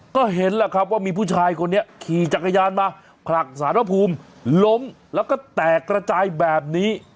ก็เห็นแหละครับว่ามีผู้ชายคนนี้ขี่จักรยานมาผลักสารพระภูมิล้มแล้วก็แตกระจายแบบนี้